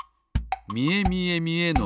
「みえみえみえの歌」